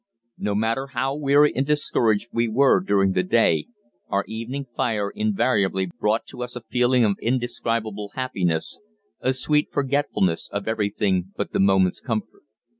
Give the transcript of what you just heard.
No matter how weary and discouraged we were during the day, our evening fire invariably brought to us a feeling of indescribable happiness, a sweet forgetfulness of everything but the moment's comfort.